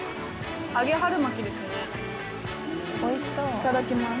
いただきます。